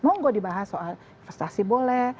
mau nggak dibahas soal investasi boleh